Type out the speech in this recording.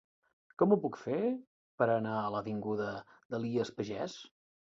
Com ho puc fer per anar a l'avinguda d'Elies Pagès?